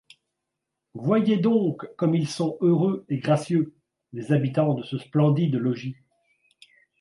Voyez donc comme ils sont heureux et gracieux, les habitants de ce splendide logis !